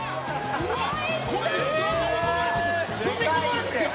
うまい？